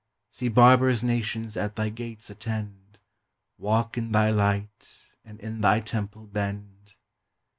See barbarous nations at thy gates attend, Walk in thy light, and in thy temple bend!